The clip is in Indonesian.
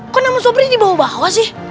kok nama sobri dibawa bawa sih